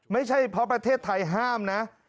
ไม่ใช่เพราะประเทศไทยห้ามนะ